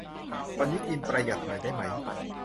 วันนี้กินประหยัดหน่อยได้ไหม